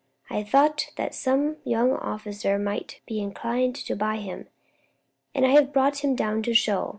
I thought that some young officer might be inclined to buy him, and I have brought him down to show.